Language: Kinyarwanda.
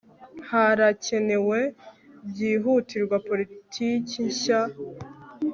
harakenewe byihutirwa politiki nshya